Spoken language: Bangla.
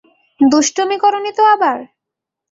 দুষ্টুমি করনি তো আবার?